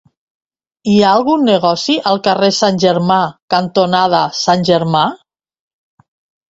Hi ha algun negoci al carrer Sant Germà cantonada Sant Germà?